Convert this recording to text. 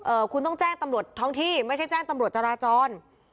คุณต้องแจ้งตำรวจท้องที่ไม่ใช่แจ้งตำรวจจราจร